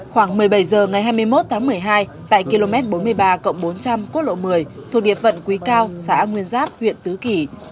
khoảng một mươi bảy h ngày hai mươi một tháng một mươi hai tại km bốn mươi ba bốn trăm linh quốc lộ một mươi thuộc địa phận quý cao xã nguyên giáp huyện tứ kỳ